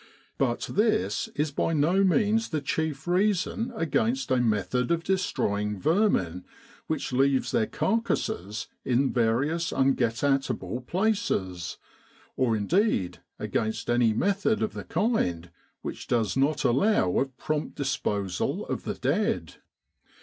But this is by no means the chief reason against a method of destroying vermin which leaves their carcases in various ungetatable places, or indeed against any method of the kind which does not allow of prompt disposal of the dead.